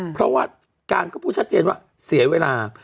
เพราะว่าการก็พูดชัดเจนว่าเสียเวลา